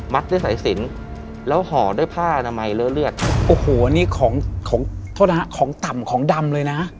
ด้วยสายสินแล้วห่อด้วยผ้าอนามัยเลอะเลือดโอ้โหนี่ของของโทษนะฮะของต่ำของดำเลยนะ